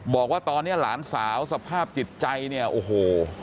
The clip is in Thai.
บอกว่าตอนนี้หลานสาวสภาพจิตใจเนี่ยโอ้โห